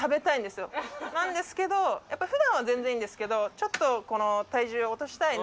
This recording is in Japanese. なんですけど普段は全然いいんですけどちょっと。